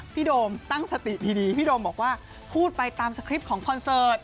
โดมตั้งสติดีพี่โดมบอกว่าพูดไปตามสคริปต์ของคอนเสิร์ต